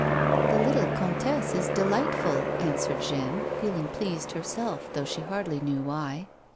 *' The little comtesse is delightful," answered Jeanne, feeling pleased herself though she hardly knew why.